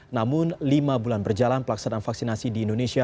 namun lima bulan berjalan pelaksanaan vaksinasi di indonesia